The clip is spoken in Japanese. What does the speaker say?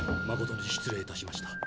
まことに失礼いたしました。